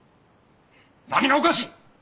何がおかしい！